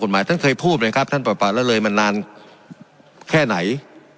กฎหมายท่านเคยพูดไหมครับท่านปรับปรับแล้วเลยมันนานแค่ไหน